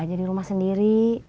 kerja di rumah sendiri